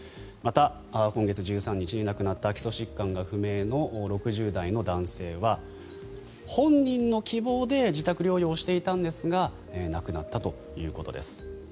また、今月１３日に亡くなった基礎疾患が不明の６０代の男性は、本人の希望で自宅療養をしていたんですが亡くなったということです。